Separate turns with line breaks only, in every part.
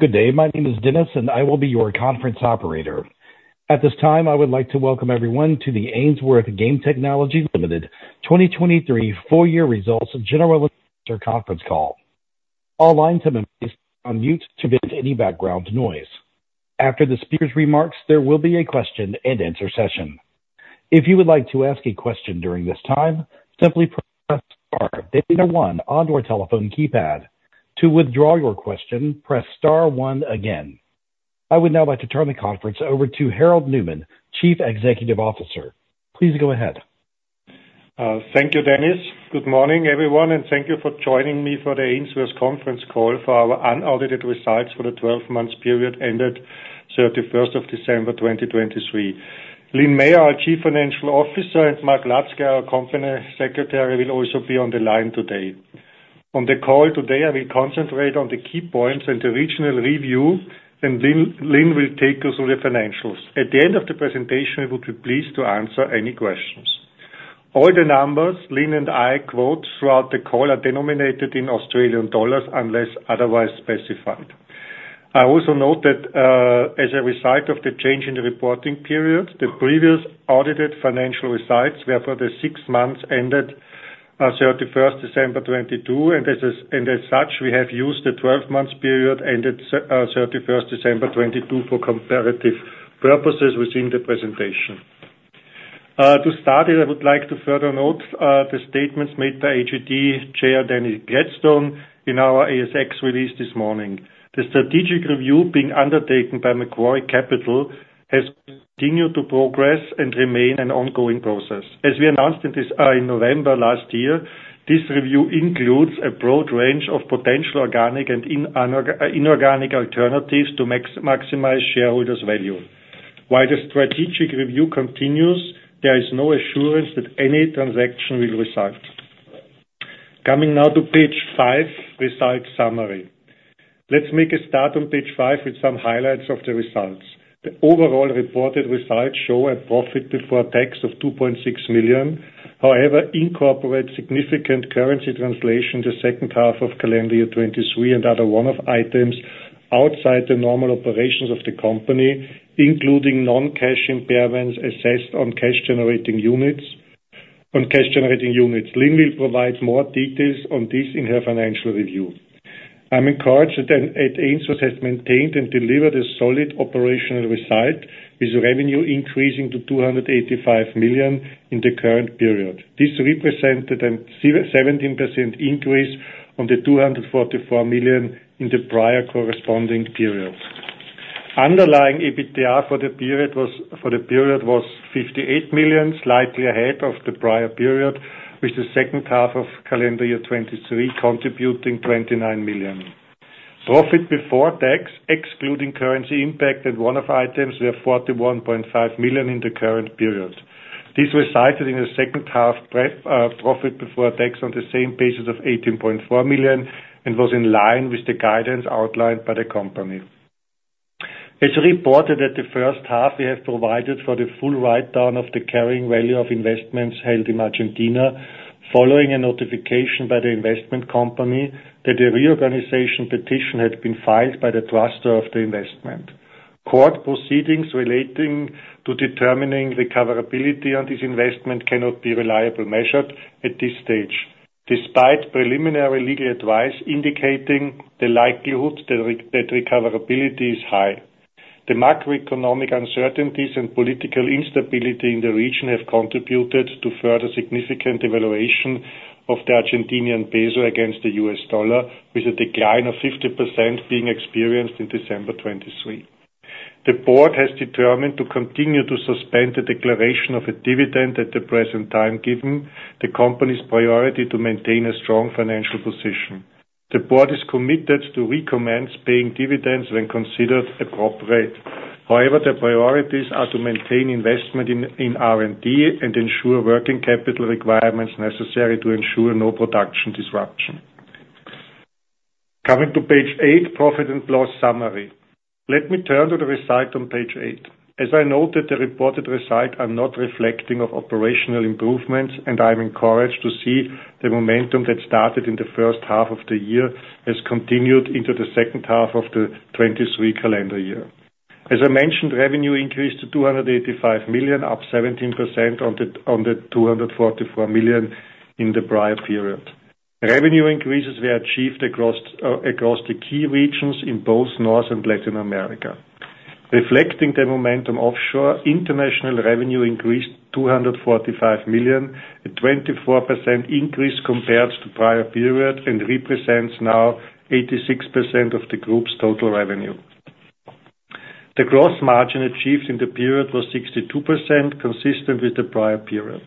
Good day. My name is Dennis, and I will be your conference operator. At this time, I would like to welcome everyone to the Ainsworth Game Technology Limited 2023 full-year results general conference call. All lines have been placed on mute to prevent any background noise. After the speaker's remarks, there will be a question-and-answer session. If you would like to ask a question during this time, simply press star then one on your telephone keypad. To withdraw your question, press star one again. I would now like to turn the conference over to Harald Neumann, Chief Executive Officer. Please go ahead.
Thank you, Dennis. Good morning, everyone, and thank you for joining me for the Ainsworth conference call for our unaudited results for the 12 months period ended December 31st of 2023. Lynn Mah, our Chief Financial Officer, and Mark Ludski, our Company Secretary, will also be on the line today. On the call today, I will concentrate on the key points and the regional review, and Lynn, Lynn will take us through the financials. At the end of the presentation, we would be pleased to answer any questions. All the numbers Lynn and I quote throughout the call are denominated in Australian dollars, unless otherwise specified. I also note that, as a result of the change in the reporting period, the previous audited financial results were for the six months ended, 31st December, 2022, and as such, we have used the twelve months period ended 31st December, 2022 for comparative purposes within the presentation. To start, I would like to further note, the statements made by AGT Chair Danny Gladstone in our ASX release this morning. The strategic review being undertaken by Macquarie Capital has continued to progress and remain an ongoing process. As we announced in this, in November last year, this review includes a broad range of potential organic and inorganic alternatives to maximize shareholders' value. While the strategic review continues, there is no assurance that any transaction will result. Coming now to page 5: Result summary. Let's make a start on page 5 with some highlights of the results. The overall reported results show a profit before tax of 2.6 million, however, incorporate significant currency translation in the second half of calendar year 2023 and other one-off items outside the normal operations of the company, including non-cash impairments assessed on cash generating units. On cash generating units, Lynn will provide more details on this in her financial review. I'm encouraged that, that Ainsworth has maintained and delivered a solid operational result, with revenue increasing to 285 million in the current period. This represented a 17% increase on the 244 million in the prior corresponding period. Underlying EBITDA for the period was 58 million, slightly ahead of the prior period, with the second half of calendar year 2023 contributing 29 million. Profit before tax, excluding currency impact and one-off items, were 41.5 million in the current period. This resulted in a second half pre profit before tax on the same basis of 18.4 million and was in line with the guidance outlined by the company. As reported at the first half, we have provided for the full write-down of the carrying value of investments held in Argentina, following a notification by the investment company that a reorganization petition had been filed by the trustor of the investment. Court proceedings relating to determining recoverability on this investment cannot be reliably measured at this stage, despite preliminary legal advice indicating the likelihood that that recoverability is high. The macroeconomic uncertainties and political instability in the region have contributed to further significant devaluation of the Argentine peso against the U.S. dollar, with a decline of 50% being experienced in December 2023. The board has determined to continue to suspend the declaration of a dividend at the present time, given the company's priority to maintain a strong financial position. The board is committed to recommence paying dividends when considered appropriate. However, the priorities are to maintain investment in R&D and ensure working capital requirements necessary to ensure no production disruption. Coming to page 8, profit and loss summary. Let me turn to the result on page 8. As I noted, the reported results are not reflecting of operational improvements, and I'm encouraged to see the momentum that started in the first half of the year has continued into the second half of the 2023 calendar year. As I mentioned, revenue increased to 285 million, up 17% on the 244million in the prior period. Revenue increases were achieved across the key regions in both North and Latin America. Reflecting the momentum offshore, international revenue increased 245 million, a 24% increase compared to prior period and represents now 86% of the group's total revenue. The gross margin achieved in the period was 62%, consistent with the prior period.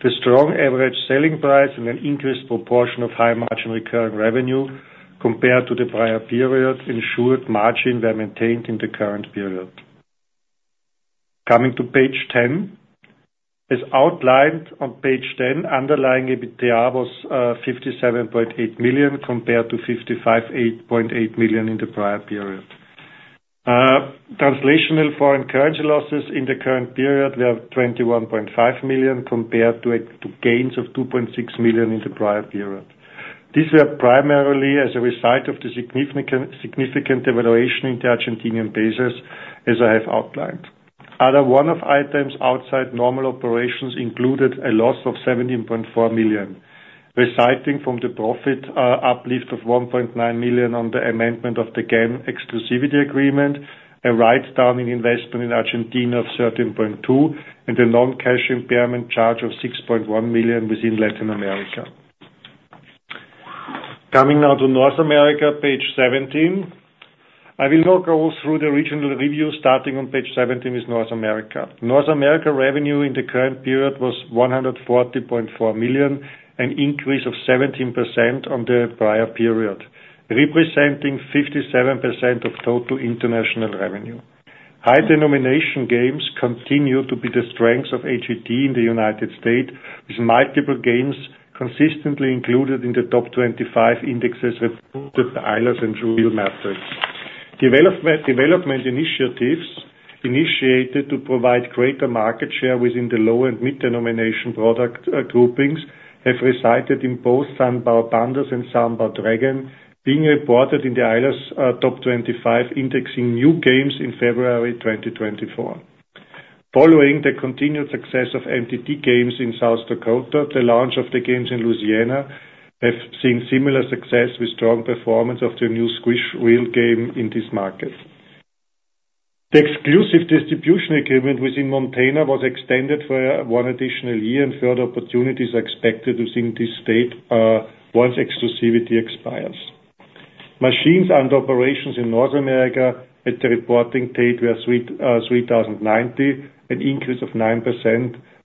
The strong average selling price and an increased proportion of high-margin recurring revenue compared to the prior period ensured margin were maintained in the current period. Coming to page 10. As outlined on page ten, underlying EBITDA was 57.8 million, compared to 55.8 million in the prior period. Translational foreign currency losses in the current period were 21.5 million, compared to gains of 2.6 million in the prior period. These were primarily as a result of the significant devaluation in the Argentine pesos, as I have outlined. Other one-off items outside normal operations included a loss of 17.4 million, resulting from the profit uplift of 1.9 million on the amendment of the GAN exclusivity agreement, a writedown in investment in Argentina of 13.2 million, and a non-cash impairment charge of 6.1 million within Latin America. Coming now to North America, page 17. I will now go through the regional review, starting on page 17 with North America. North America revenue in the current period was 140.4 million, an increase of 17% on the prior period, representing 57% of total international revenue. High denomination games continue to be the strengths of AGT in the United States, with multiple games consistently included in the top 25 indexes with the Eilers and ReelMetrics. Development initiatives initiated to provide greater market share within the low and mid-denomination product groupings have resulted in both San Bao Pandas and San Bao Dragon being reported in the Eilers top 25, indexing new games in February 2024. Following the continued success of MTD games in South Dakota, the launch of the games in Louisiana have seen similar success, with strong performance of the new Squish Wheel game in this market. The exclusive distribution agreement within Montana was extended for one additional year, and further opportunities are expected within this state once exclusivity expires. Machines under operations in North America at the reporting date were 3,090, an increase of 9%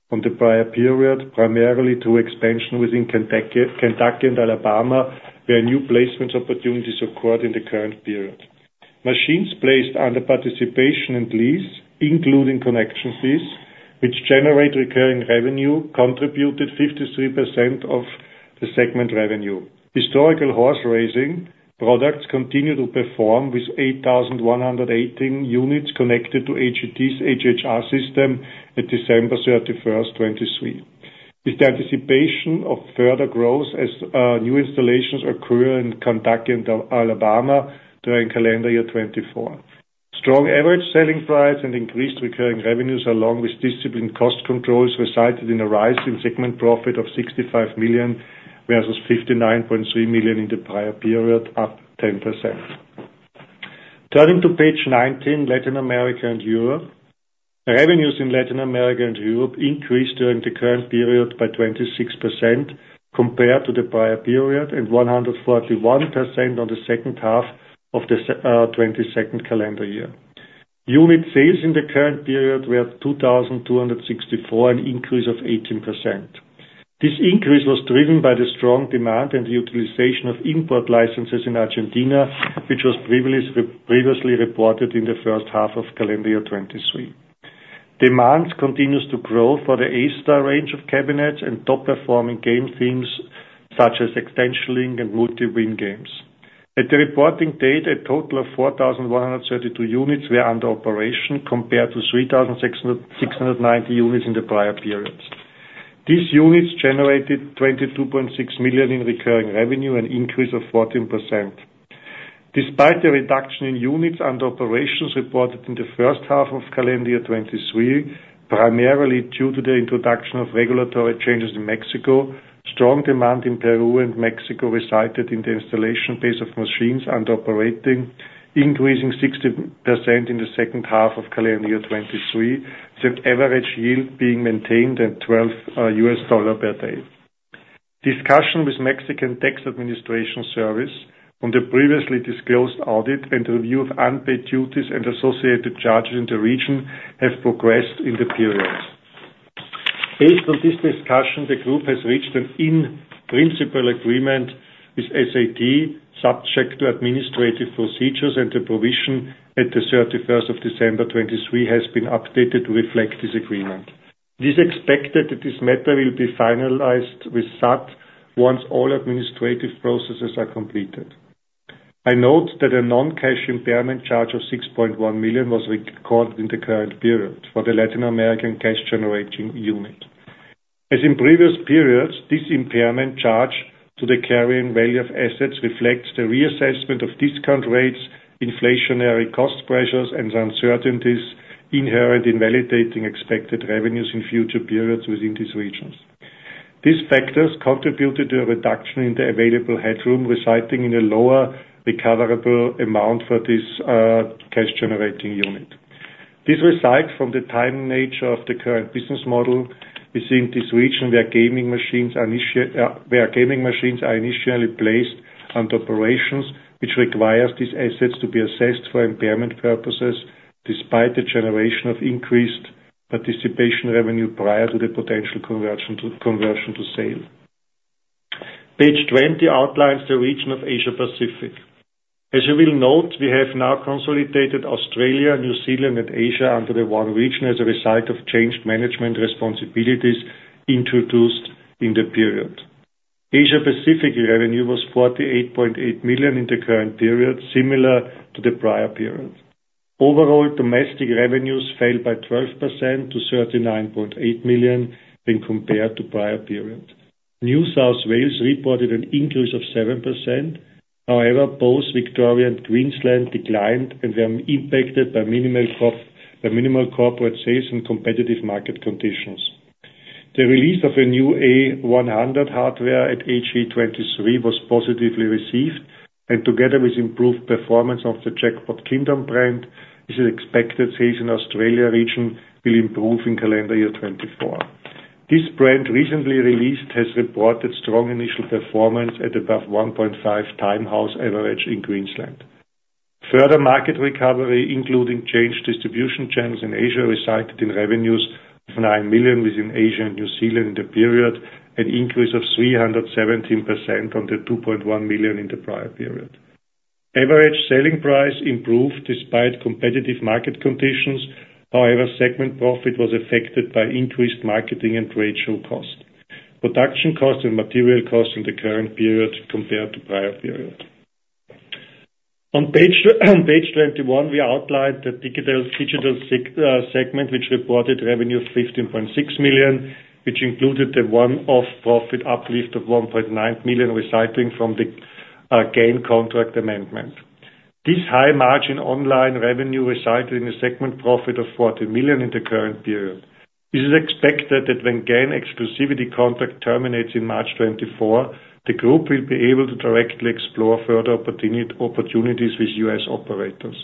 from the prior period, primarily to expansion within Kentucky and Alabama, where new placement opportunities occurred in the current period. Machines placed under participation and lease, including connection fees, which generate recurring revenue, contributed 53% of the segment revenue. Historical horse racing products continue to perform with 8,118 units connected to AGT's HHR system at December 31st of 2023, with the anticipation of further growth as new installations occur in Kentucky and Alabama during calendar year 2024. Strong average selling price and increased recurring revenues, along with disciplined cost controls, resulted in a rise in segment profit of 65 million, versus 59.3 million in the prior period, up 10%. Turning to page 19, Latin America and Europe. The revenues in Latin America and Europe increased during the current period by 26% compared to the prior period, and 141% on the second half of the 2022 calendar year. Unit sales in the current period were 2,264, an increase of 18%. This increase was driven by the strong demand and utilization of import licenses in Argentina, which was previously reported in the first half of calendar year 2023. Demand continues to grow for the A-Star range of cabinets and top-performing game themes, such as Xtension Link and Multi-Win games. At the reporting date, a total of 4,132 units were under operation, compared to 3,690 units in the prior period. These units generated 22.6 million in recurring revenue, an increase of 14%. Despite the reduction in units under operations reported in the first half of calendar year 2023, primarily due to the introduction of regulatory changes in Mexico, strong demand in Peru and Mexico resulted in the installation base of machines under operating, increasing 60% in the second half of calendar year 2023, with average yield being maintained at $12 per day. Discussion with Mexican Tax Administration Service on the previously disclosed audit and review of unpaid duties and associated charges in the region have progressed in the period. Based on this discussion, the group has reached an in-principle agreement with SAT, subject to administrative procedures, and the provision at the 31st of December 2023 has been updated to reflect this agreement. It is expected that this matter will be finalized with SAT once all administrative processes are completed. I note that a non-cash impairment charge of 6.1 million was recorded in the current period for the Latin American cash-generating unit. As in previous periods, this impairment charge to the carrying value of assets reflects the reassessment of discount rates, inflationary cost pressures, and the uncertainties inherent in validating expected revenues in future periods within these regions. These factors contributed to a reduction in the available headroom, resulting in a lower recoverable amount for this cash-generating unit. This results from the time and nature of the current business model within this region, where gaming machines are initially placed under operations, which requires these assets to be assessed for impairment purposes, despite the generation of increased participation revenue prior to the potential conversion to sale. Page 20 outlines the region of Asia Pacific. As you will note, we have now consolidated Australia, New Zealand, and Asia under the one region as a result of changed management responsibilities introduced in the period. Asia Pacific revenue was 48.8 million in the current period, similar to the prior period. Overall, domestic revenues fell by 12% to 39.8 million when compared to prior period. New South Wales reported an increase of 7%. However, both Victoria and Queensland declined and were impacted by minimal corporate sales and competitive market conditions. The release of a new A100 hardware at AG23 was positively received, and together with improved performance of the Jackpot Kingdom brand, it is expected sales in Australia region will improve in calendar year 2024. This brand, recently released, has reported strong initial performance at above 1.5x house average in Queensland. Further market recovery, including changed distribution channels in Asia, resulted in revenues of 9 million within Asia and New Zealand in the period, an increase of 317% on the 2.1 million in the prior period. Average selling price improved despite competitive market conditions. However, segment profit was affected by increased marketing and trade show costs, production costs, and material costs in the current period compared to prior period. On page 21, we outlined the digital segment, which reported revenue of 15.6 million, which included the one-off profit uplift of 1.9 million, resulting from the GAN contract amendment. This high margin online revenue resulted in a segment profit of 40 million in the current period. It is expected that when GAN exclusivity contract terminates in March 2024, the group will be able to directly explore further opportunities with U.S. operators.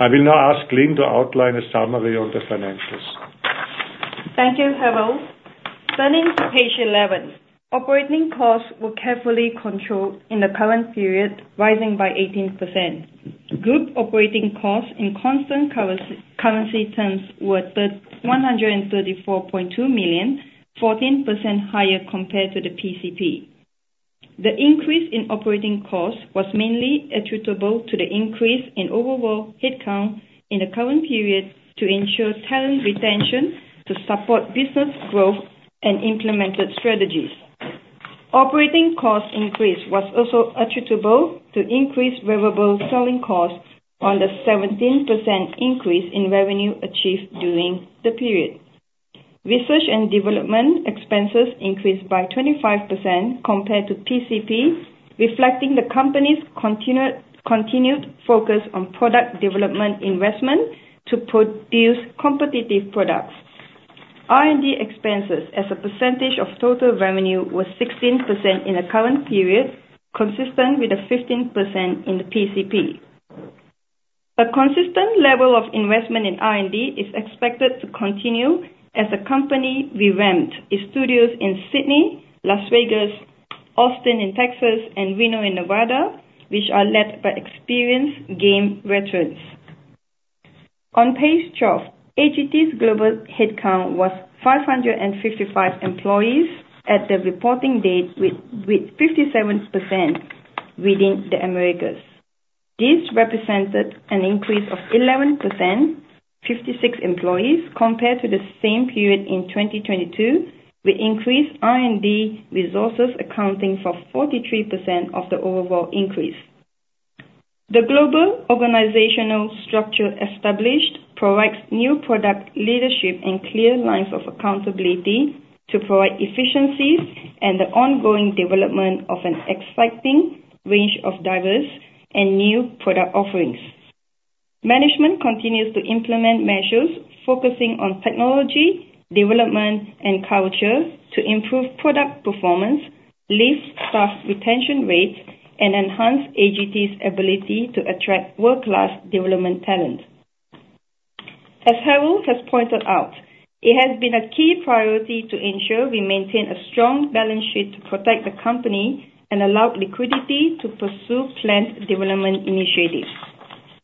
I will now ask Lynn to outline a summary of the financials.
Thank you, Harald. Turning to page 11. Operating costs were carefully controlled in the current period, rising by 18%. Group operating costs in constant currency terms were 134.2 million, 14% higher compared to the PCP. The increase in operating costs was mainly attributable to the increase in overall headcount in the current period to ensure talent retention, to support business growth and implemented strategies. Operating cost increase was also attributable to increased variable selling costs on the 17% increase in revenue achieved during the period. Research and development expenses increased by 25% compared to PCP, reflecting the company's continued focus on product development investment to produce competitive products. R&D expenses as a percentage of total revenue were 16% in the current period, consistent with the 15% in the PCP. A consistent level of investment in R&D is expected to continue as the company revamped its studios in Sydney, Las Vegas, Austin in Texas, and Reno in Nevada, which are led by experienced game veterans. On page 12, AGT's global headcount was 555 employees at the reporting date, with 57% within the Americas. This represented an increase of 11%, 56 employees, compared to the same period in 2022, with increased R&D resources accounting for 43% of the overall increase. The global organizational structure established provides new product leadership and clear lines of accountability to provide efficiencies and the ongoing development of an exciting range of diverse and new product offerings. Management continues to implement measures focusing on technology, development, and culture to improve product performance, lift staff retention rates, and enhance AGT's ability to attract world-class development talent. As Harald has pointed out, it has been a key priority to ensure we maintain a strong balance sheet to protect the company and allow liquidity to pursue planned development initiatives.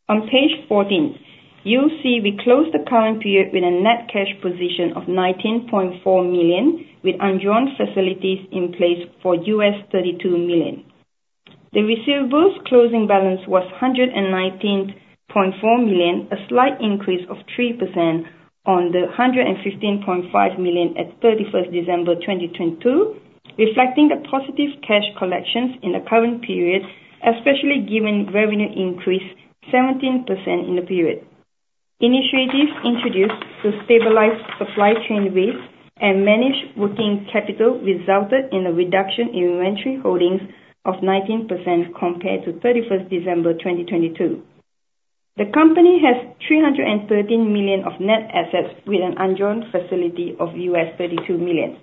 On page 14, you'll see we closed the current period with a net cash position of 19.4 million, with undrawn facilities in place for $32 million. The receivables closing balance was 119.4 million, a slight increase of 3% on the 115.5 million at 31st December, 2022 reflecting the positive cash collections in the current period, especially given revenue increased 17% in the period. Initiatives introduced to stabilize supply chain rates and manage working capital resulted in a reduction in inventory holdings of 19% compared to 31st December, 2022. The company has 313 million of net assets with an undrawn facility of $32 million.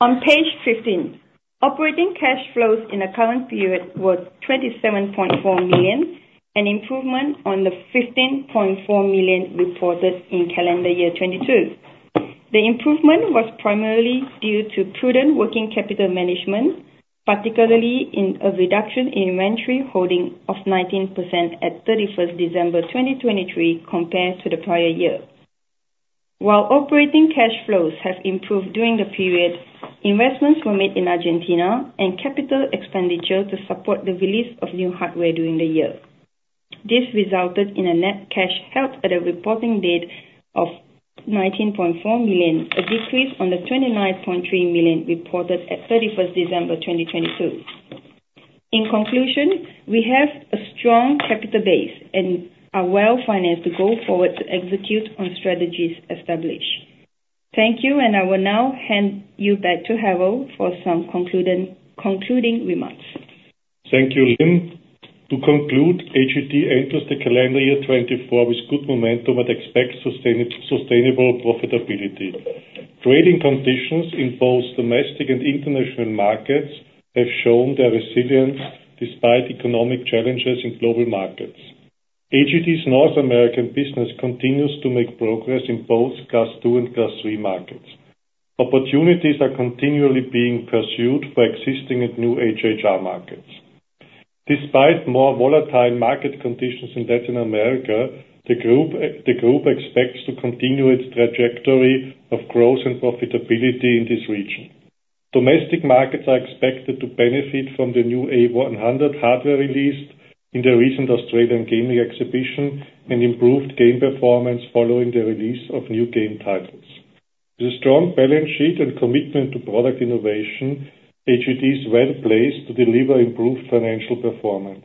On page 15, operating cash flows in the current period was 27.4 million, an improvement on the 15.4 million reported in calendar year 2022. The improvement was primarily due to prudent working capital management, particularly in a reduction in inventory holding of 19% at 31st December, 2023, compared to the prior year. While operating cash flows have improved during the period, investments were made in Argentina and capital expenditure to support the release of new hardware during the year. This resulted in a net cash held at a reporting date of 19.4 million, a decrease on the 29.3 million reported at 31st December, 2022. In conclusion, we have a strong capital base and are well-financed to go forward to execute on strategies established. Thank you, and I will now hand you back to Harald for some concluding remarks.
Thank you, Lynn. To conclude, AGT enters the calendar year 2024 with good momentum and expects sustainable profitability. Trading conditions in both domestic and international markets have shown their resilience despite economic challenges in global markets. AGT's North American business continues to make progress in both Class II and Class III markets. Opportunities are continually being pursued for existing and new HHR markets. Despite more volatile market conditions in Latin America, the group expects to continue its trajectory of growth and profitability in this region. Domestic markets are expected to benefit from the new A100 hardware released in the recent Australian gaming exhibition and improved game performance following the release of new game titles. With a strong balance sheet and commitment to product innovation, AGT is well-placed to deliver improved financial performance.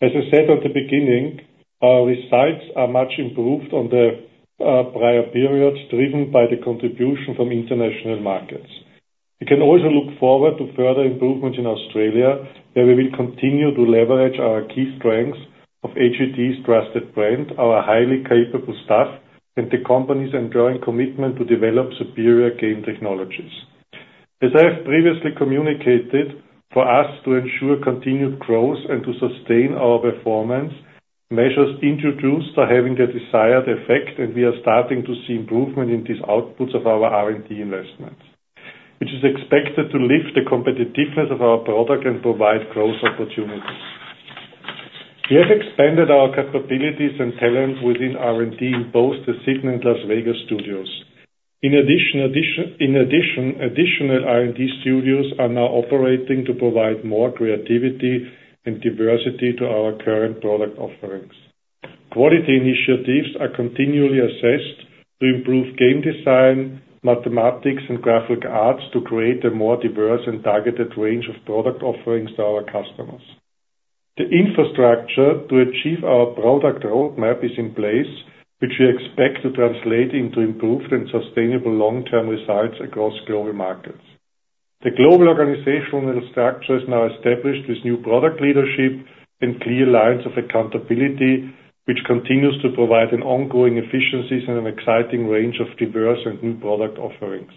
As I said at the beginning, our results are much improved on the prior periods, driven by the contribution from international markets. We can also look forward to further improvements in Australia, where we will continue to leverage our key strengths of AGT's trusted brand, our highly capable staff, and the company's enduring commitment to develop superior game technologies. As I have previously communicated, for us to ensure continued growth and to sustain our performance, measures introduced are having the desired effect, and we are starting to see improvement in these outputs of our R&D investments, which is expected to lift the competitiveness of our product and provide growth opportunities. We have expanded our capabilities and talent within R&D in both the Sydney and Las Vegas studios. In addition, additional R&D studios are now operating to provide more creativity and diversity to our current product offerings. Quality initiatives are continually assessed to improve game design, mathematics, and graphic arts, to create a more diverse and targeted range of product offerings to our customers. The infrastructure to achieve our product roadmap is in place, which we expect to translate into improved and sustainable long-term results across global markets. The global organizational structure is now established with new product leadership and clear lines of accountability, which continues to provide an ongoing efficiencies and an exciting range of diverse and new product offerings.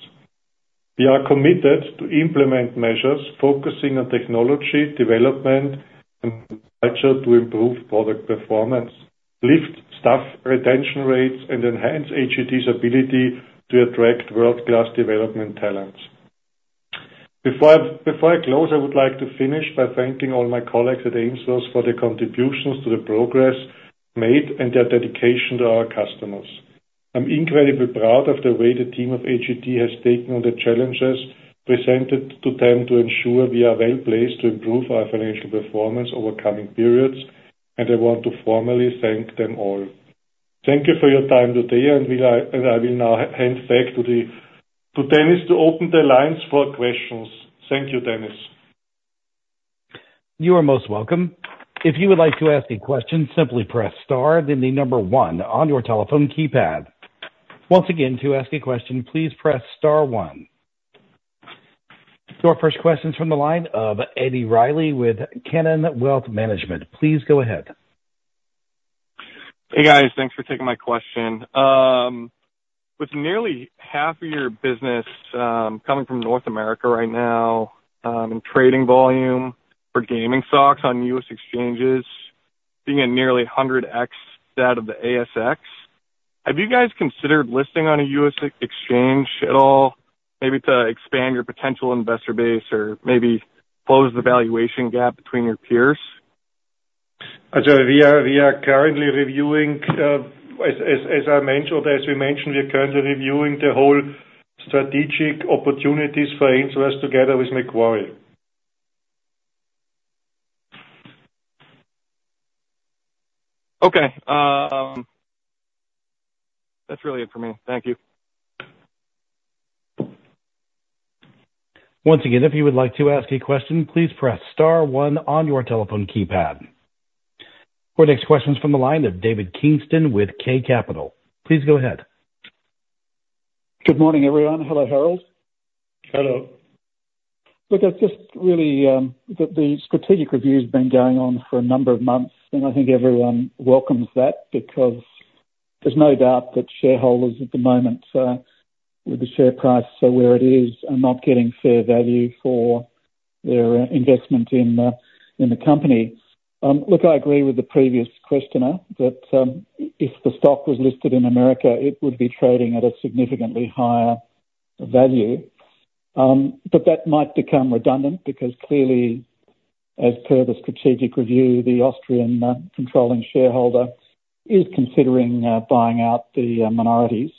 We are committed to implement measures focusing on technology, development, and nurture to improve product performance, lift staff retention rates, and enhance AGT's ability to attract world-class development talents. Before I, before I close, I would like to finish by thanking all my colleagues at Ainsworth's for their contributions to the progress made and their dedication to our customers. I'm incredibly proud of the way the team of AGT has taken on the challenges presented to them to ensure we are well-placed to improve our financial performance over coming periods, and I want to formally thank them all. Thank you for your time today, and I will now hand back to Dennis to open the lines for questions. Thank you, Dennis.
You are most welcome. If you would like to ask a question, simply press star, then the number one on your telephone keypad. Once again, to ask a question, please press star one. So our first question's from the line of Eddie Riley with Kanen Wealth Management. Please go ahead.
Hey, guys. Thanks for taking my question. With nearly half of your business coming from North America right now, and trading volume for gaming stocks on U.S. exchanges being at nearly 100x that of the ASX, have you guys considered listing on a U.S. exchange at all, maybe to expand your potential investor base or maybe close the valuation gap between your peers?
So we are currently reviewing, as we mentioned, we're currently reviewing the whole strategic opportunities for Ainsworth together with Macquarie.
Okay. That's really it for me. Thank you.
Once again, if you would like to ask a question, please press star one on your telephone keypad. Our next question's from the line of David Kingston with K Capital. Please go ahead.
Good morning, everyone. Hello, Harald.
Hello.
Look, it's just really, the strategic review has been going on for a number of months, and I think everyone welcomes that, because there's no doubt that shareholders at the moment, with the share price so where it is, are not getting fair value for their investment in the company. Look, I agree with the previous questioner that, if the stock was listed in America, it would be trading at a significantly higher value. But that might become redundant because clearly, as per the strategic review, the Austrian controlling shareholder is considering buying out the minorities.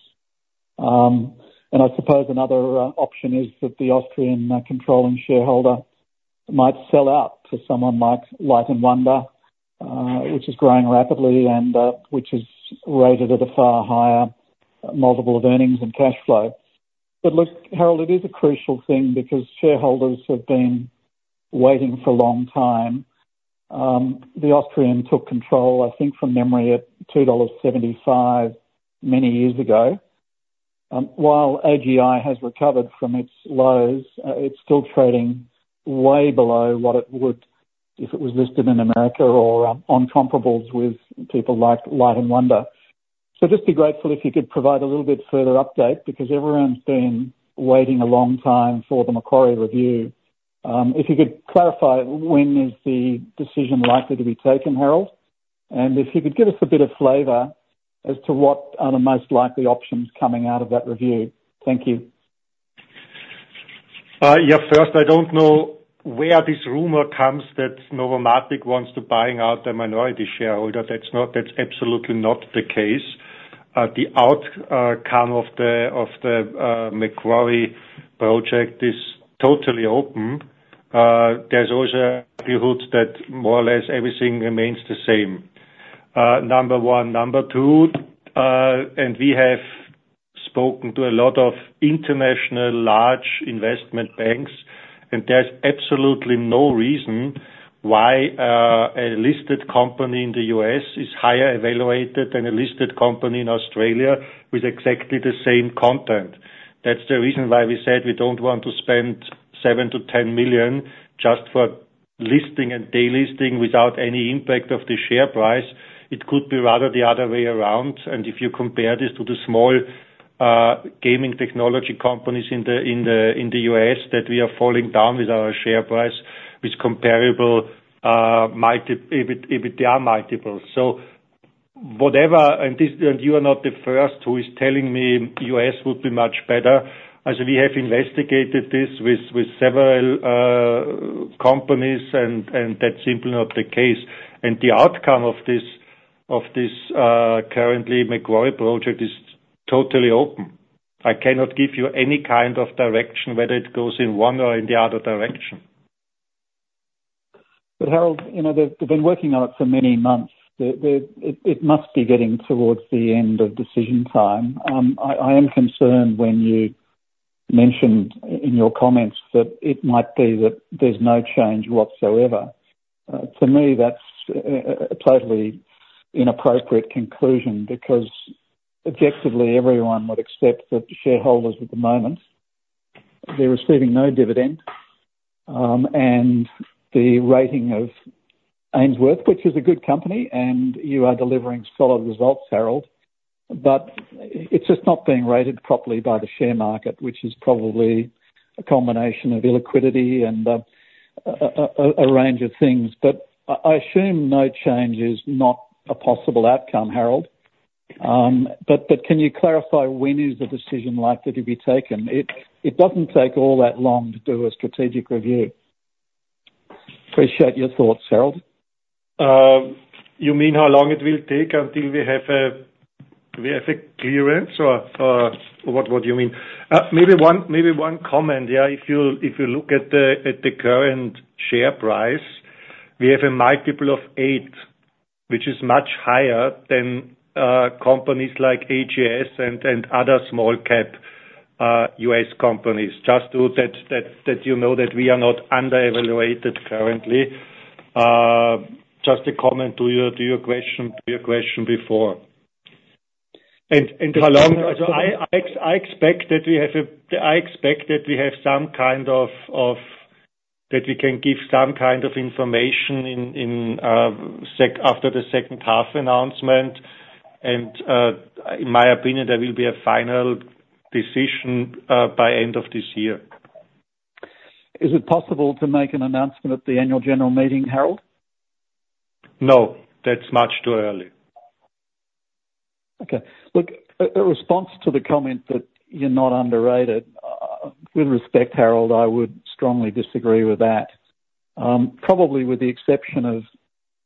And I suppose another option is that the Austrian controlling shareholder might sell out to someone like Light & Wonder, which is growing rapidly and which is rated at a far higher multiple of earnings and cash flow. But look, Harald, it is a crucial thing because shareholders have been waiting for a long time. The Austrian took control, I think from memory, at 2.75 dollars, many years ago. While AGI has recovered from its lows, it's still trading way below what it would if it was listed in America or on comparables with people like Light & Wonder. So just be grateful if you could provide a little bit further update, because everyone's been waiting a long time for the Macquarie review. If you could clarify, when is the decision likely to be taken, Harald? If you could give us a bit of flavor as to what are the most likely options coming out of that review? Thank you.
Yeah, first, I don't know where this rumor comes that Novomatic wants to buying out the minority shareholder. That's absolutely not the case. The outcome of the Macquarie project is totally open. There's also a likelihood that more or less everything remains the same, number one. Number two, and we have spoken to a lot of international large investment banks, and there's absolutely no reason why a listed company in the U.S. is higher evaluated than a listed company in Australia with exactly the same content. That's the reason why we said we don't want to spend 7 million to 10 million, just for listing and delisting without any impact of the share price. It could be rather the other way around, and if you compare this to the small gaming technology companies in the U.S., that we are falling down with our share price, with comparable multi-EBITDA multiples. So whatever, and this, and you are not the first who is telling me U.S. would be much better, as we have investigated this with several companies, and that's simply not the case. And the outcome of this currently Macquarie project is totally open. I cannot give you any kind of direction whether it goes in one or in the other direction.
But Harald, you know, they've been working on it for many months. It must be getting towards the end of decision time. I am concerned when you mentioned in your comments that it might be that there's no change whatsoever. To me, that's a totally inappropriate conclusion, because objectively, everyone would accept that the shareholders at the moment, they're receiving no dividend, and the rating of Ainsworth, which is a good company, and you are delivering solid results, Harald, but it's just not being rated properly by the share market, which is probably a combination of illiquidity and a range of things. But I assume no change is not a possible outcome, Harald. But can you clarify, when is the decision likely to be taken? It doesn't take all that long to do a strategic review. Appreciate your thoughts, Harald.
You mean how long it will take until we have a clearance or, what do you mean? Maybe one comment, yeah. If you look at the current share price, we have a multiple of eight, which is much higher than companies like AGS and other small-cap U.S. companies. Just so that you know that we are not undervalued currently. Just a comment to your question before. I expect that we have some kind of, that we can give some kind of information after the second half announcement, and in my opinion, there will be a final decision by end of this year.
Is it possible to make an announcement at the annual general meeting, Harald?
No, that's much too early.
Okay. Look, a response to the comment that you're not underrated, with respect, Harald, I would strongly disagree with that. Probably with the exception of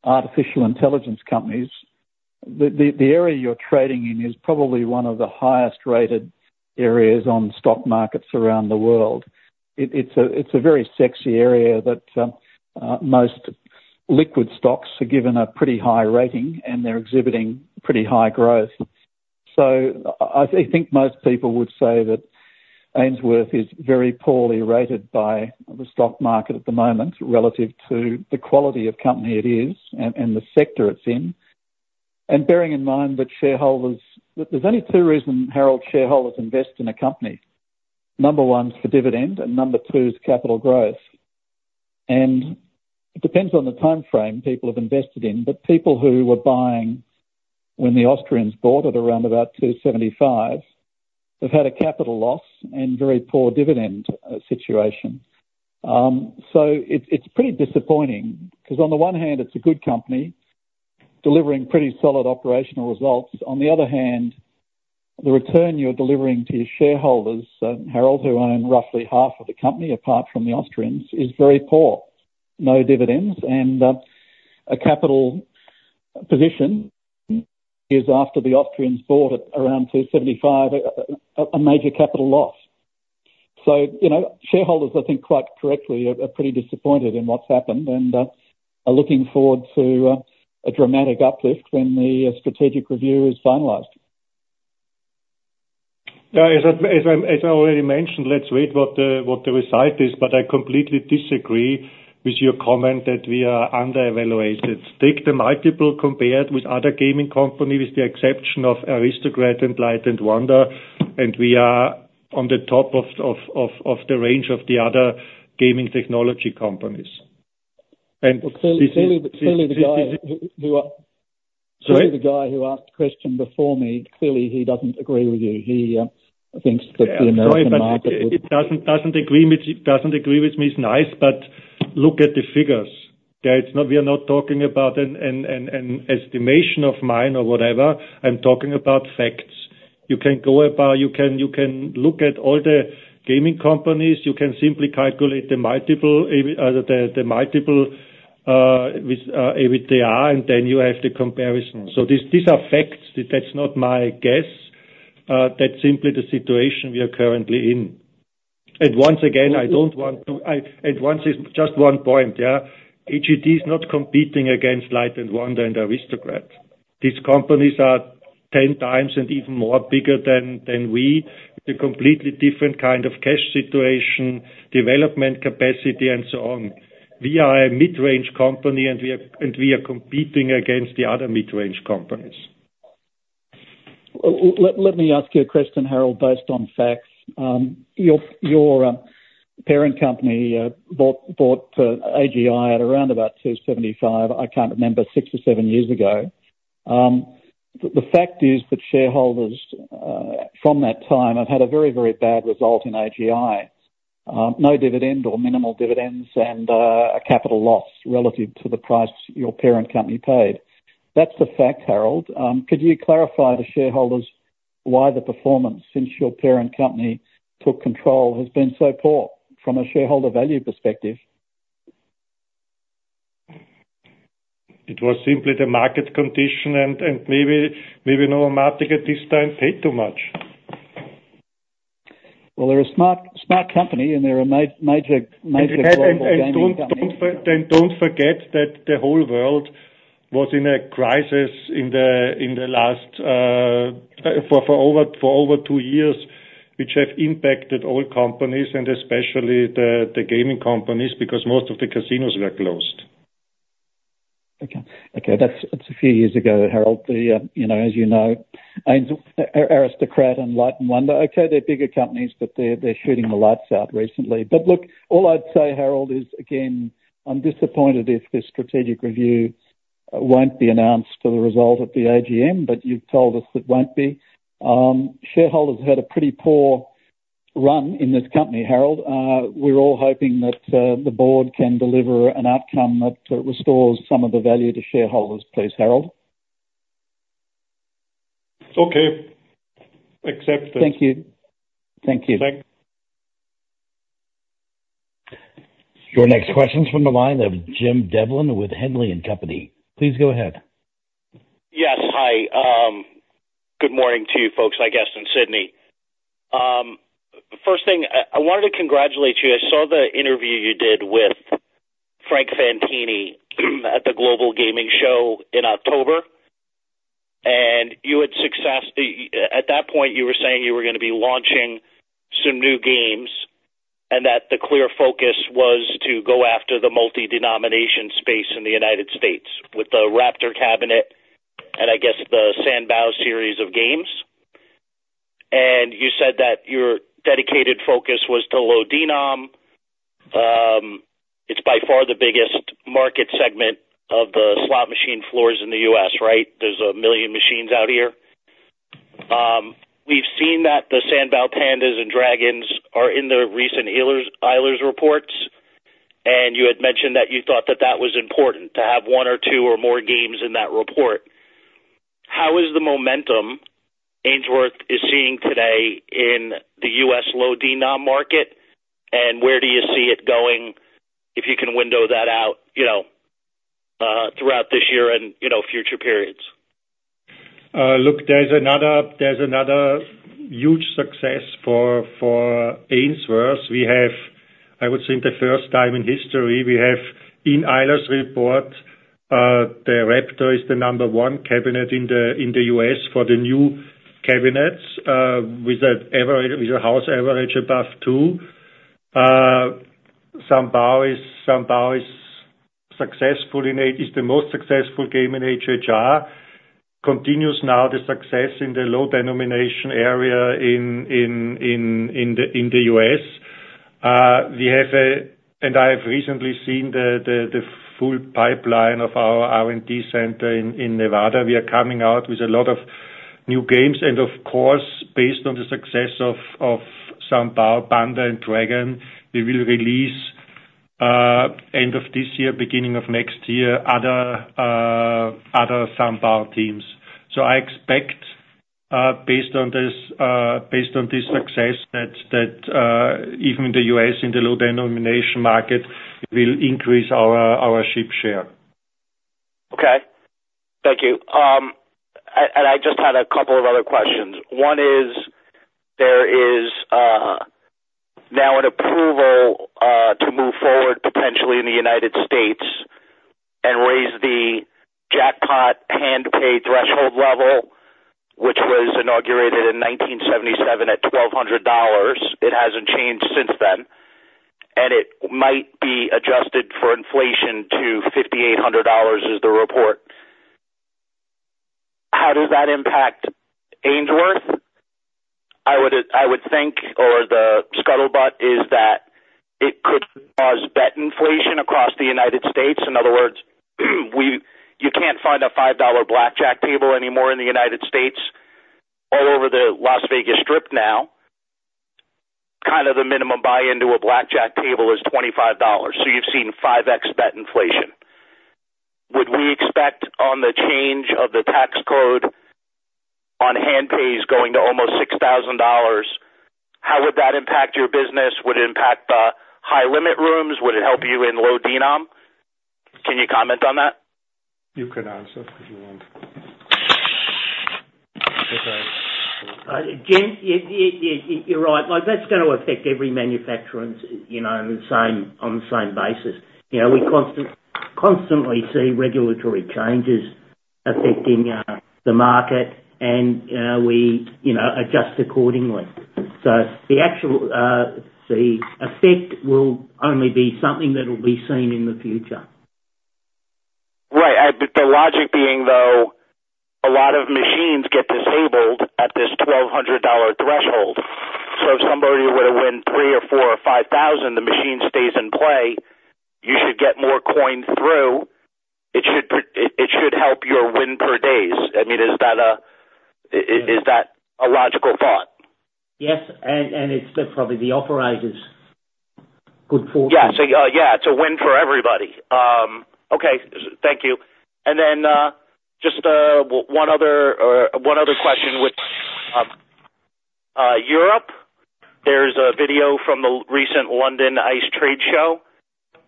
artificial intelligence companies, the area you're trading in is probably one of the highest-rated areas on stock markets around the world. It's a very sexy area that most liquid stocks are given a pretty high rating, and they're exhibiting pretty high growth. I think most people would say that Ainsworth is very poorly rated by the stock market at the moment, relative to the quality of company it is and the sector it's in. Bearing in mind that shareholders, there's only two reasons, Harald, shareholders invest in a company. Number one is for dividend, and number two is capital growth. It depends on the timeframe people have invested in, but people who were buying when the Australians bought at around about 2.75 have had a capital loss and very poor dividend situation. So it's pretty disappointing because on the one hand, it's a good company, delivering pretty solid operational results. On the other hand, the return you're delivering to your shareholders, Harald, who own roughly half of the company, apart from the Australians, is very poor, no dividends, and a capital position, after the Austrians bought at around 2.75, is a major capital loss. So, you know, shareholders, I think, quite correctly, are pretty disappointed in what's happened, and are looking forward to a dramatic uplift when the strategic review is finalized.
Yeah, as I already mentioned, let's wait what the result is, but I completely disagree with your comment that we are undervalued. Take the multiple compared with other gaming companies, with the exception of Aristocrat and Light & Wonder, and we are on the top of the range of the other gaming technology companies.
Clearly, the guy, clearly, the guy who asked the question before me, clearly he doesn't agree with you. He thinks that the American market is-
He doesn't agree with me is nice, but look at the figures. Okay, it's not. We are not talking about an estimation of mine or whatever. I'm talking about facts. You can look at all the gaming companies. You can simply calculate the multiple, the multiple with they are, and then you have the comparison. So these are facts. That's not my guess. That's simply the situation we are currently in. And once again, I don't want to, and once, just one point there. AGD is not competing against Light & Wonder and Aristocrat. These companies are 10x and even more bigger than we, with a completely different kind of cash situation, development capacity, and so on. We are a mid-range company, and we are competing against the other mid-range companies.
Let me ask you a question, Harald, based on facts. Your parent company bought AGI at around about 2.75, I can't remember, six or seven years ago. The fact is that shareholders from that time have had a very, very bad result in AGI. No dividend or minimal dividends, and a capital loss relative to the price your parent company paid. That's a fact, Harald. Could you clarify to shareholders why the performance since your parent company took control has been so poor from a shareholder value perspective?
It was simply the market condition and maybe Novomatic at this time paid too much.
Well, they're a smart company, and they're a major global gaming company.
And don't forget that the whole world was in a crisis in the last for over two years, which have impacted all companies and especially the gaming companies, because most of the casinos were closed.
Okay. Okay, that's a few years ago, Harald, you know, as you know, Aristocrat and Light & Wonder, okay, they're bigger companies, but they're shooting the lights out recently. But look, all I'd say, Harald, is, again, I'm disappointed if this strategic review won't be announced as a result of the AGM, but you've told us it won't be. Shareholders had a pretty poor run in this company, Harald. We're all hoping that the board can deliver an outcome that restores some of the value to shareholders, please, Harald.
Okay. Accepted.
Thank you. Thank you.
Thank you.
Your next question is from the line of Jim Devlin with Henley & Company. Please go ahead.
Yes. Hi. Good morning to you folks in Sydney. First thing, I wanted to congratulate you. I saw the interview you did with Frank Fantini at the Global Gaming Show in October, and you had success at that point, you were saying you were gonna be launching some new games, and that the clear focus was to go after the multi-denomination space in the United States with the Raptor cabinet and the San Bao series of games. And you said that your dedicated focus was to low denom. It's by far the biggest market segment of the slot machine floors in the U.S., right? There's 1 million machines out here. We've seen that the San Bao Pandas and Dragons are in the recent Eilers, Eilers reports, and you had mentioned that you thought that that was important to have one or two or more games in that report. How is the momentum Ainsworth is seeing today in the U.S. low denom market, and where do you see it going, if you can window that out, you know, throughout this year and, you know, future periods?
Look, there's another huge success for Ainsworth. We have, I would say, for the first time in history, we have, in Eilers' report, the Raptor is the number one cabinet in the U.S. for the new cabinets, with a house average above $2. San Bao is successful and is the most successful game in HHR, continues now the success in the low denomination area in the U.S. I have recently seen the full pipeline of our R&D center in Nevada. We are coming out with a lot of new games, and of course, based on the success of San Bao, Panda and Dragon, we will release end of this year, beginning of next year, other San Bao games. So I expect based on this success that even in the U.S., in the low denomination market, will increase our ship share.
Okay. Thank you. And I just had a couple of other questions. One is, there is now an approval to move forward potentially in the United States and raise the jackpot hand pay threshold level, which was inaugurated in 1977 at $1,200. It hasn't changed since then, and it might be adjusted for inflation to $5,800, is the report. How does that impact Ainsworth? I would think, or the scuttlebutt is that it could cause bet inflation across the United States. In other words, you can't find a $5 blackjack table anymore in the United States. All over the Las Vegas Strip now, kind of the minimum buy-in to a blackjack table is $25, so you've seen 5x bet inflation. Would we expect on the change of the tax code on hand pays going to almost $6,000, how would that impact your business? Would it impact the high limit rooms? Would it help you in low denom? Can you comment on that?
You can answer if you want.
Jim, you're right. Like, that's going to affect every manufacturer, you know, in the same, on the same basis. You know, we constantly see regulatory changes affecting the market, and we, you know, adjust accordingly. So the actual, the effect will only be something that will be seen in the future.
Right. But the logic being, though, a lot of machines get disabled at this $1,200 threshold. So if somebody were to win $3,000 or $4,000 or $5,000, the machine stays in play, you should get more coins through. It shouldhelp your win per days. I mean, is that a logical thought?
Yes, and it's good for the operators. Good for everybody.
Yeah. So, yeah, it's a win for everybody. Okay. Thank you. And then, just one other question with Europe. There's a video from the recent London ICE trade show,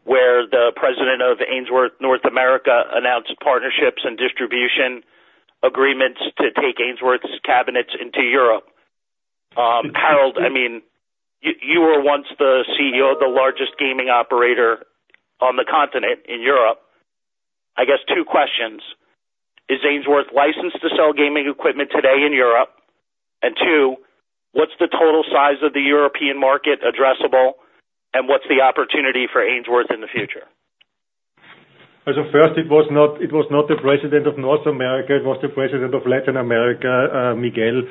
where the President of Ainsworth North America announced partnerships and distribution agreements to take Ainsworth's cabinets into Europe. Harald, I mean, you were once the CEO of the largest gaming operator on the continent in Europe. Two questions: Is Ainsworth licensed to sell gaming equipment today in Europe? And two, what's the total size of the European market addressable, and what's the opportunity for Ainsworth in the future?
So first, it was not, it was not the President of North America, it was the President of Latin America, Miguel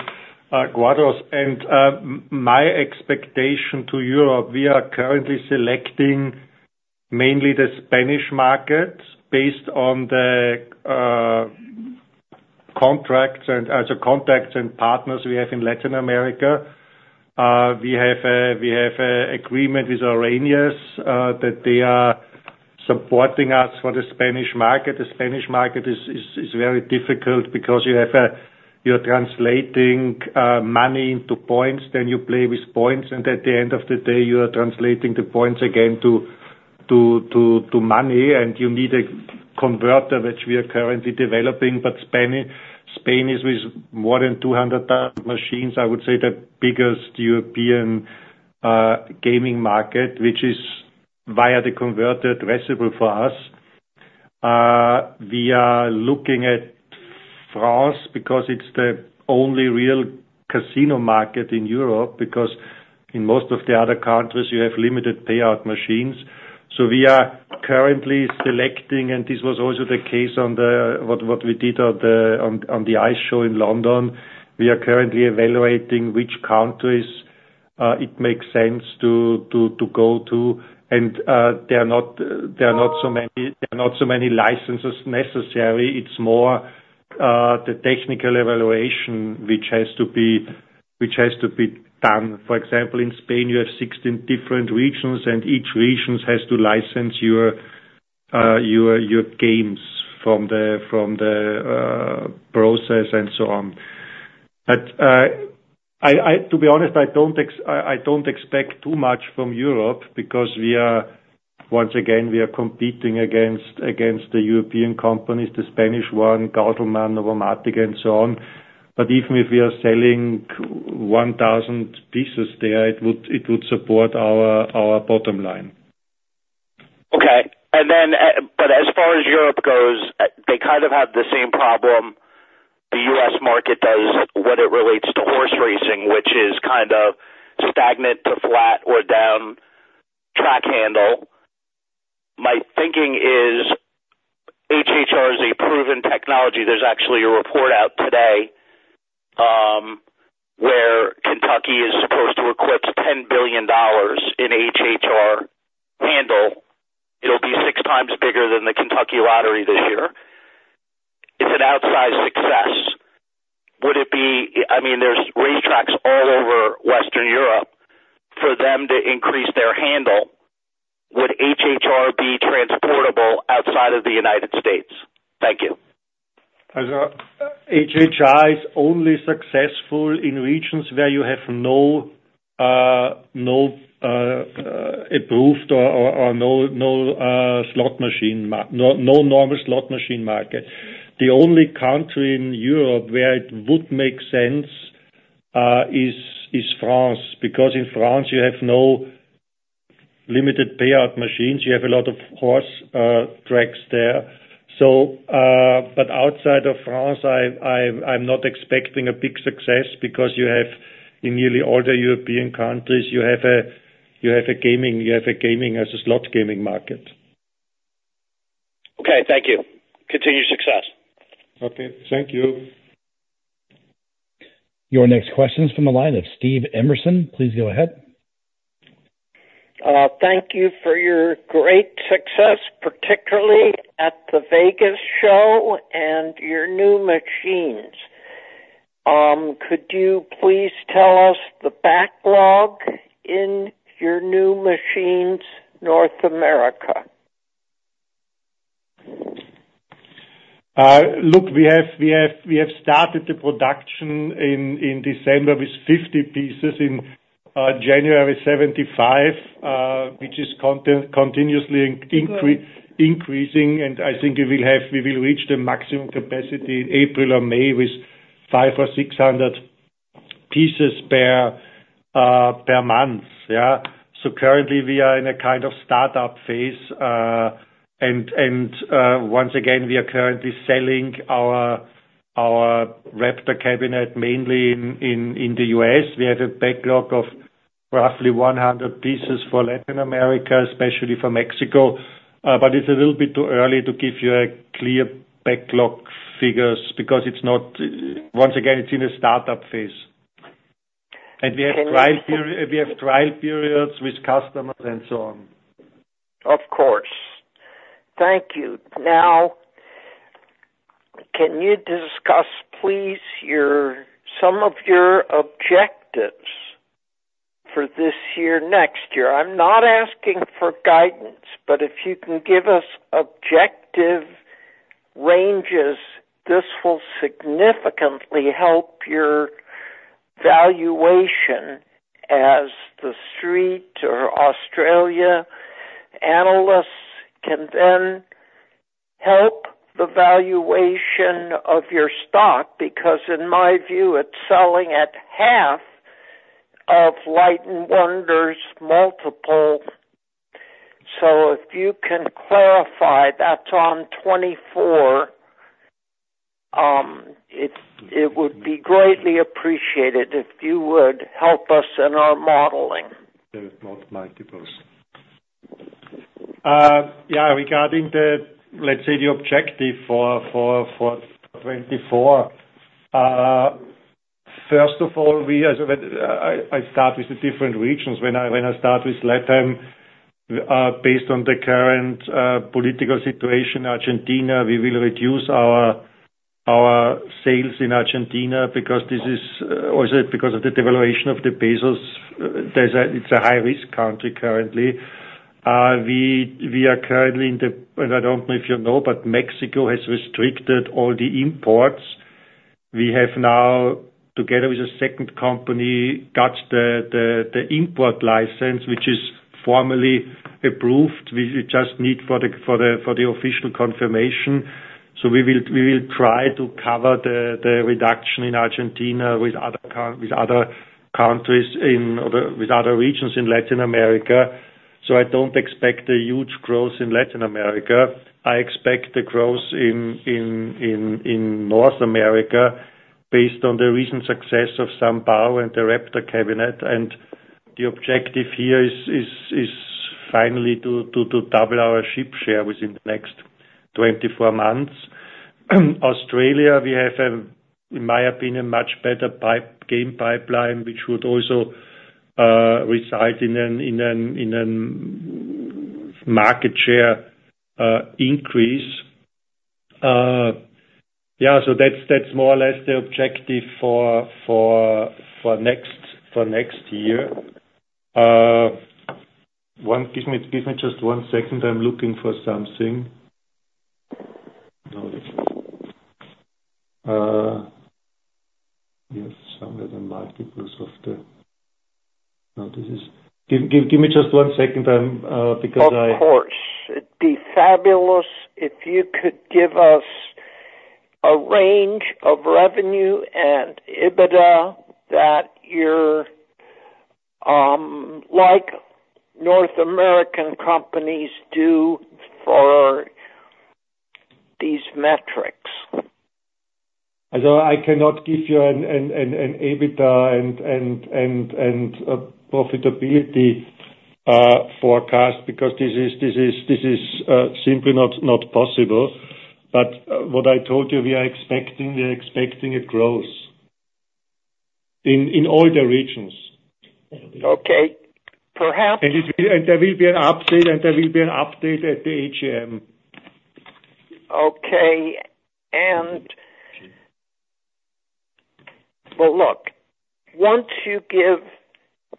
Guardado. And my expectation to Europe, we are currently selecting mainly the Spanish markets based on the contracts and as the contracts and partners we have in Latin America. We have a agreement with Aristocrat that they are supporting us for the Spanish market. The Spanish market is very difficult because you're translating money into points, then you play with points, and at the end of the day, you are translating the points again to money, and you need a converter, which we are currently developing. But Spain, Spain is with more than 200,000 machines, I would say, the biggest European gaming market, which is via the converted vessel for us. We are looking at France because it's the only real casino market in Europe, because in most of the other countries, you have limited payout machines. So we are currently selecting, and this was also the case on what we did on the ICE show in London. We are currently evaluating which countries it makes sense to go to, and there are not so many licenses necessary. It's more the technical evaluation, which has to be done. For example, in Spain, you have 16 different regions, and each region has to license your, your games from the, from the, process and so on. But, To be honest, I don't expect too much from Europe because we are, once again, we are competing against, against the European companies, the Spanish one, Gauselmann, Novomatic, and so on. But even if we are selling 1,000 pieces there, it would, it would support our, our bottom line.
Okay. And then, but as far as Europe goes, they kind of have the same problem the U.S. market does when it relates to horse racing, which is kind of stagnant to flat or down track handle. My thinking is HHR is a proven technology. There's actually a report out today, where Kentucky is supposed to eclipse $10 billion in HHR handle. It'll be six times bigger than the Kentucky Lottery this year. It's an outsized success. Would it be, I mean, there's racetracks all over Western Europe for them to increase their handle. Would HHR be transportable outside of the United States? Thank you.
As HHR is only successful in regions where you have no approved or no normal slot machine market. The only country in Europe where it would make sense is France, because in France you have no limited payout machines, you have a lot of horse tracks there. So but outside of France, I'm not expecting a big success because you have in nearly all the European countries, you have a slot gaming market.
Okay, thank you. Continued success.
Okay, thank you.
Your next question is from the line of Steve Emerson. Please go ahead.
Thank you for your great success, particularly at the Vegas show and your new machines. Could you please tell us the backlog in your new machines, North America?
Look, we have started the production in December with 50 pieces, in January, 75, which is continuously increasing. And I think we will reach the maximum capacity in April or May with 500 pieces or 600 pieces per month. So currently, we are in a kind of startup phase. And once again, we are currently selling our Raptor cabinet, mainly in the U.S. We have a backlog of roughly 100 pieces for Latin America, especially for Mexico. But it's a little bit too early to give you a clear backlog figures because it's not, once again, it's in a startup phase. And we have trial periods with customers and so on.
Of course. Thank you. Now, can you discuss, please, your some of your objectives for this year, next year? I'm not asking for guidance, but if you can give us objective ranges, this will significantly help your valuation as the street or Australia analysts can then help the valuation of your stock, because in my view, it's selling at half of Light & Wonder's multiple. So if you can clarify, that's on 2024, it would be greatly appreciated if you would help us in our modeling.
There is not multiples.
Yeah, regarding the, let's say, the objective for 2024. First of all, I start with the different regions. When I start with Latin, based on the current political situation, Argentina, we will reduce our sales in Argentina because this is, or is it because of the devaluation of the pesos. It's a high-risk country currently. We are currently in the. I don't know if you know, but Mexico has restricted all the imports. We have now, together with a second company, got the import license, which is formally approved. We just need for the official confirmation. So we will try to cover the reduction in Argentina with other countries in other regions in Latin America. So I don't expect a huge growth in Latin America. I expect the growth in North America based on the recent success of San Bao and the Raptor cabinet. And the objective here is finally to double our market share within the next 24 months. Australia, we have, in my opinion, much better game pipeline, which would also result in a market share increase. So that's more or less the objective for next year. Give me just one second. I'm looking for something.
Of course. It'd be fabulous if you could give us a range of revenue and EBITDA that like North American companies do for these metrics.
So I cannot give you an EBITDA and profitability forecast, because this is simply not possible. But what I told you, we are expecting a growth in all the regions.
Okay. Perhaps.
And there will be an update, and there will be an update at the AGM.
Okay. But look, once you give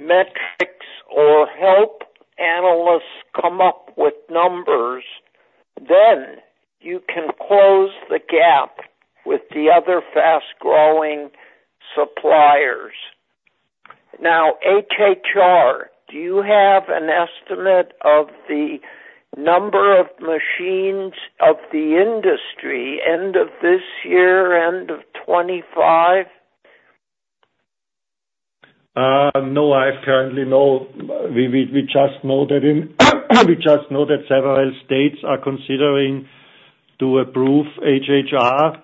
metrics or help analysts come up with numbers, then you can close the gap with the other fast-growing suppliers. Now, HHR, do you have an estimate of the number of machines of the industry, end of this year, end of 2025?
No, I have currently no, we just know that several states are considering to approve HHR,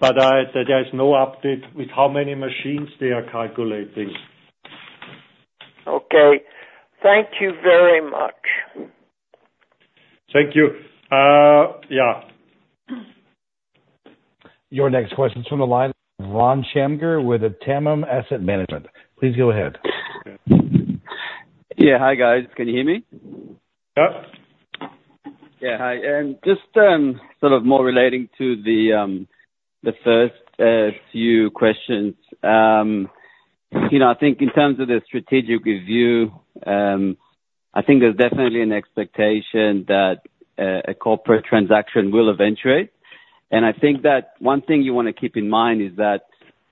but there is no update with how many machines they are calculating.
Okay. Thank you very much.
Thank you. Yeah.
Your next question is from the line of Ron Shamgar, with the Tamim Asset Management. Please go ahead.
Yeah. Hi, guys. Can you hear me?
Yep.
Yeah, hi, and just sort of more relating to the first few questions. You know, I think in terms of the strategic review, I think there's definitely an expectation that a corporate transaction will eventuate. And I think that one thing you wanna keep in mind is that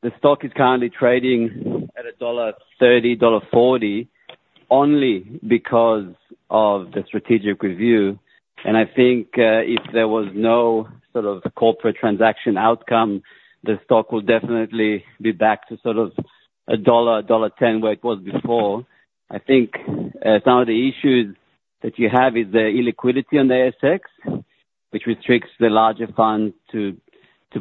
the stock is currently trading at 1.30-1.40 dollar, only because of the strategic review. And I think if there was no sort of corporate transaction outcome, the stock would definitely be back to sort of 1.00-1.10 dollar, where it was before. I think some of the issues that you have is the illiquidity on the ASX, which restricts the larger funds to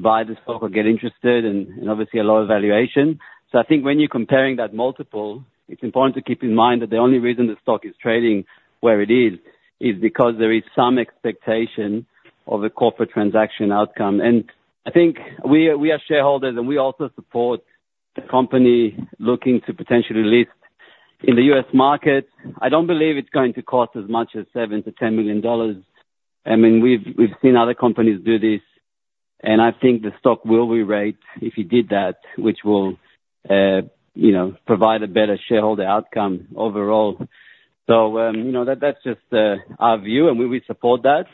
buy the stock or get interested, and obviously a lower valuation. So I think when you're comparing that multiple, it's important to keep in mind that the only reason the stock is trading where it is, is because there is some expectation of a corporate transaction outcome. And I think we are, we are shareholders, and we also support the company looking to potentially list in the U.S. market. I don't believe it's going to cost as much as $7 million to $10 million. I mean, we've seen other companies do this, and I think the stock will rerate if you did that, which will, you know, provide a better shareholder outcome overall. So, you know, that's just our view, and we, we support that.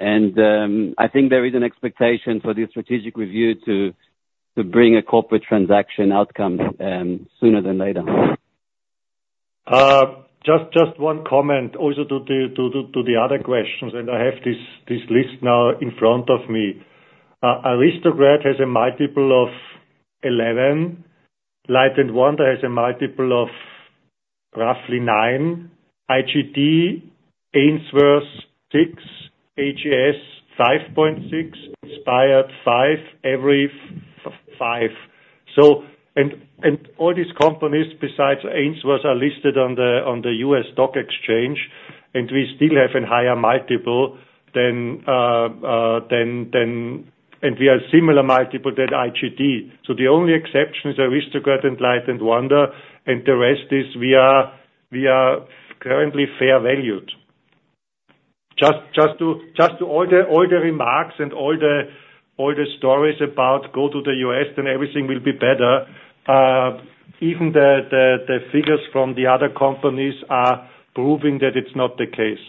And I think there is an expectation for this strategic review to bring a corporate transaction outcome, sooner than later.
Just one comment also to the other questions, and I have this list now in front of me. Aristocrat has a multiple of 11, Light & Wonder has a multiple of roughly 9, IGT, Ainsworth, 6, AGS, 5.6, Inspired, 5, Everi, 5. So, all these companies, besides Ainsworth, are listed on the U.S. Stock Exchange, and we still have a higher multiple than, and we have similar multiple than IGT. So the only exception is Aristocrat and Light & Wonder, and the rest is we are currently fair valued. Just to all the remarks and all the stories about go to the U.S. and everything will be better. Even the figures from the other companies are proving that it's not the case.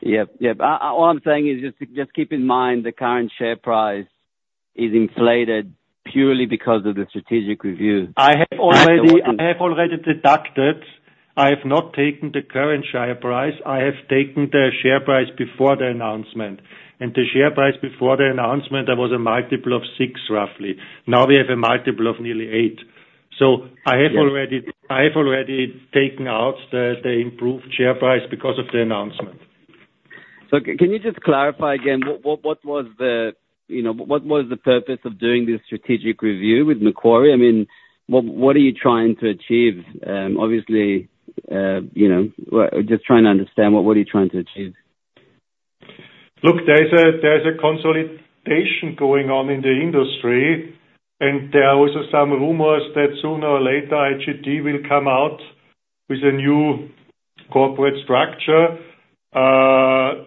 Yep. Yep. All I'm saying is just keep in mind, the current share price is inflated purely because of the strategic review
I have already deducted. I have not taken the current share price. I have taken the share price before the announcement. And the share price before the announcement, there was a multiple of six, roughly. Now, we have a multiple of nearly eight.
Yes.
So I have already taken out the improved share price because of the announcement.
So can you just clarify again, what was the purpose of doing this strategic review with Macquarie? You know, I mean, what are you trying to achieve? Obviously, you know, just trying to understand what are you trying to achieve?
Look, there's a, there's a consolidation going on in the industry, and there are also some rumors that sooner or later, IGT will come out with a new corporate structure. The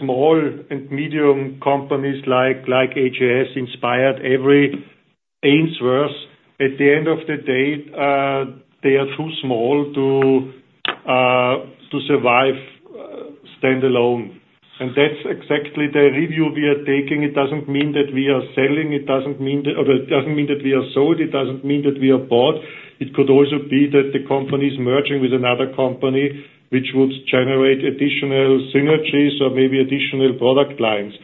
small and medium companies like AGS, Inspired, Everi, Ainsworth, at the end of the day, they are too small to, to survive standalone. And that's exactly the review we are taking. It doesn't mean that we are selling, it doesn't mean that or it doesn't mean that we are sold, it doesn't mean that we are bought. It could also be that the company's merging with another company, which would generate additional synergies or maybe additional product lines.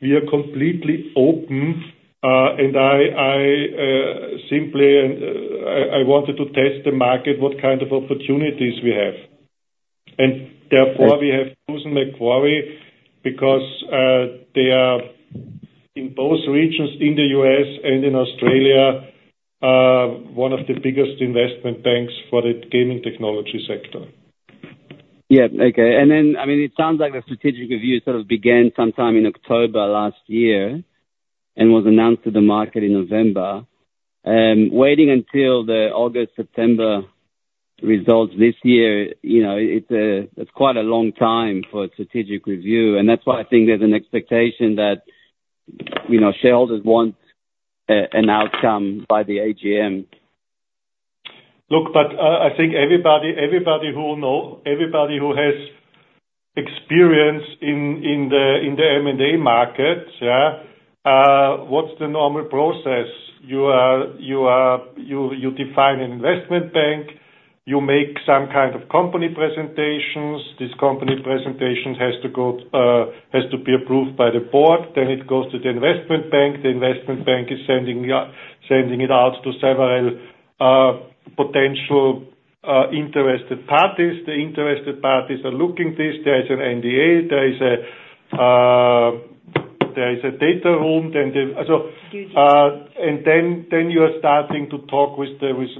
We are completely open, and I simply, I wanted to test the market, what kind of opportunities we have.
Right.
And therefore, we have chosen Macquarie because they are in both regions, in the U.S. and in Australia, one of the biggest investment banks for the gaming technology sector.
Yeah. Okay. And then, I mean, it sounds like the strategic review sort of began sometime in October last year, and was announced to the market in November. Waiting until the August/September results this year, you know, it's quite a long time for a strategic review, and that's why I think there's an expectation that, you know, shareholders want an outcome by the AGM.
Look, but I think everybody who has experience in the M&A market, what's the normal process? You define an investment bank, you make some kind of company presentations. This company presentations has to go, has to be approved by the board, then it goes to the investment bank. The investment bank is sending it out to several potential interested parties. The interested parties are looking this. There is an NDA. There is a data room, and so, and then you are starting to talk with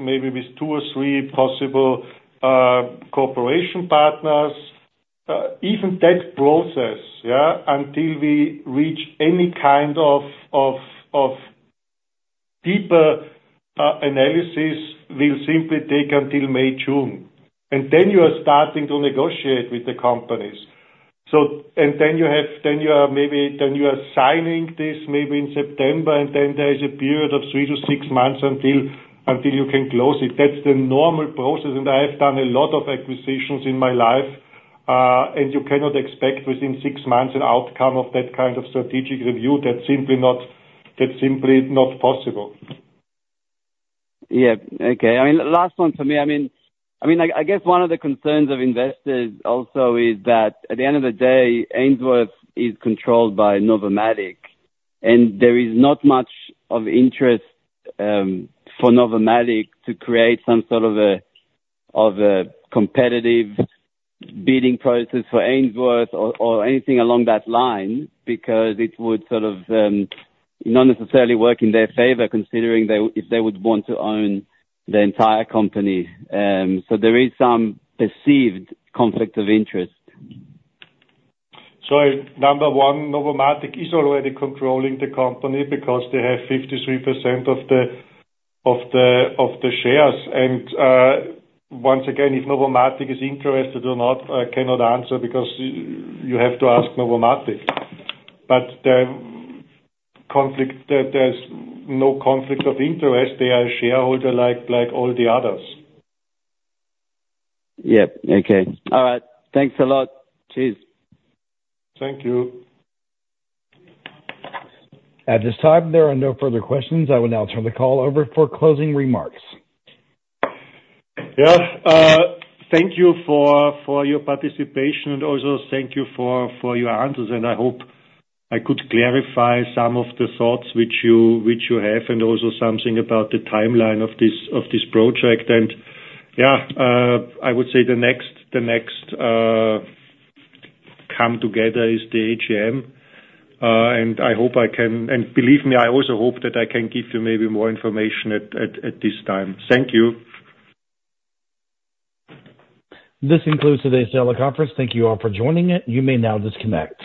maybe two or three possible cooperation partners. Even that process until we reach any kind of deeper analysis will simply take until May, June. Then you are starting to negotiate with the companies. So, then you are maybe signing this maybe in September, and then there is a period of 3 months to 6 months until you can close it. That's the normal process, and I have done a lot of acquisitions in my life, and you cannot expect within 6 months an outcome of that kind of strategic review. That's simply not possible.
Yeah. Okay. I mean, last one for me. I mean, one of the concerns of investors also is that at the end of the day, Ainsworth is controlled by Novomatic, and there is not much of interest for Novomatic to create some sort of a competitive bidding process for Ainsworth or anything along that line, because it would sort of not necessarily work in their favor, considering they, if they would want to own the entire company. So there is some perceived conflict of interest.
So number one, Novomatic is already controlling the company because they have 53% of the shares. And once again, if Novomatic is interested or not, I cannot answer, because you have to ask Novomatic. But the conflict, there's no conflict of interest. They are a shareholder, like all the others.
Yep. Okay. All right. Thanks a lot. Cheers.
Thank you.
At this time, there are no further questions. I will now turn the call over for closing remarks.
Yeah. Thank you for your participation, and also thank you for your answers. And I hope I could clarify some of the thoughts which you have, and also something about the timeline of this project. And, yeah, I would say the next come together is the AGM, and I hope I can, and believe me, I also hope that I can give you maybe more information at this time. Thank you.
This concludes today's teleconference. Thank you all for joining it. You may now disconnect.